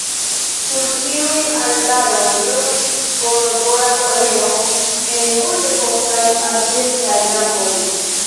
Sur ĉiuj altaroj brulis bonodora oleo en multekostaj arĝentaj lampoj.